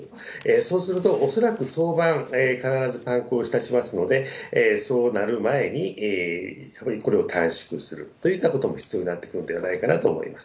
そうすると、恐らく早晩、必ずいたしますので、そうなる前にやっぱりこれを短縮するといったことも必要になってくるんではないかなと思います。